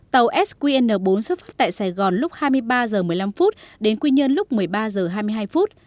tàu sqn bốn xuất phát tại sài gòn lúc hai mươi ba h một mươi năm đến quy nhơn lúc một mươi ba h hai mươi hai phút